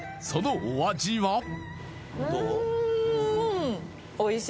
そのお味は？